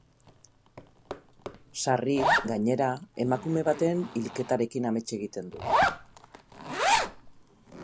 Sarri, gainera, emakume baten hilketarekin amets egiten du.